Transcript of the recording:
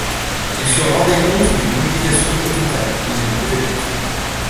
Il se rendait compte d’une complication redoutable, il ne pouvait plus tomber.